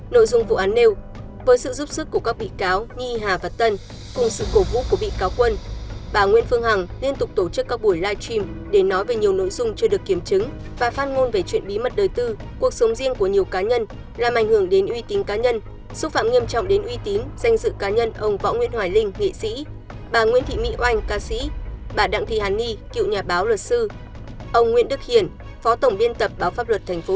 nội dung vụ án nêu với sự giúp sức của các bị cáo nhi hà và tân cùng sự cổ vũ của bị cáo quân bà nguyễn phương hằng liên tục tổ chức các buổi live stream để nói về nhiều nội dung chưa được kiểm chứng và phát ngôn về chuyện bí mật đời tư cuộc sống riêng của nhiều cá nhân làm ảnh hưởng đến uy tín cá nhân xúc phạm nghiêm trọng đến uy tín danh dự cá nhân ông võ nguyễn hoài linh nghệ sĩ bà nguyễn thị mỹ oanh ca sĩ bà đặng thị hàn nhi cựu nhà báo luật sư ông nguyễn đức hiển phó tổng biên tập báo